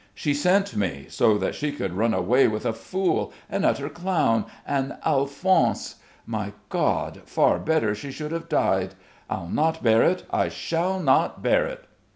She sent me so that she could run away with a fool, an utter clown, an Alphonse! My God, far better she should have died. I'll not bear it. I shall not bear it."